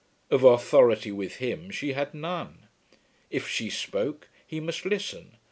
Of authority with him she had none. If she spoke, he must listen.